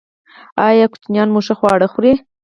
ایا ماشومان مو ښه خواړه خوري؟